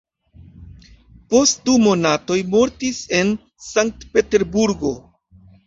Post du monatoj mortis en Sank-Peterburgo.